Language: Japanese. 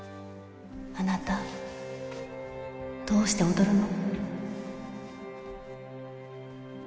あなたどうして踊るの？